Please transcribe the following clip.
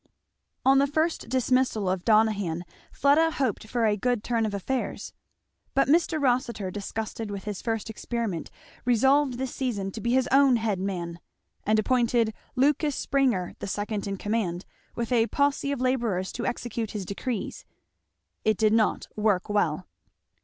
On the first dismissal of Donohan Fleda hoped for a good turn of affairs. But Mr. Rossitur, disgusted with his first experiment, resolved this season to be his own head man; and appointed Lucas Springer the second in command, with a posse of labourers to execute his decrees. It did not work well.